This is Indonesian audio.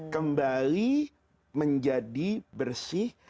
kembali menjadi bersih